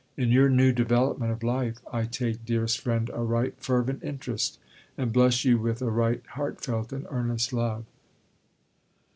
In your new development of life, I take, dearest friend, a right fervent interest, and bless you with a right heartfelt and earnest love.